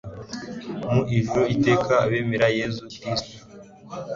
mu ijuru iteka; abemera yezu kristu